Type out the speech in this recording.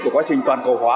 của quá trình toàn cầu hóa